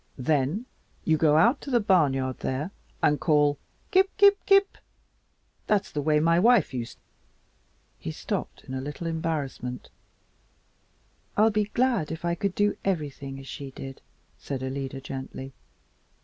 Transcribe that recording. Then you go out to the barnyard there, and call 'kip, kip, kip.' That's the way my wife used " He stopped in a little embarrassment. "I'd be glad if I could do everything as she did," said Alida gently.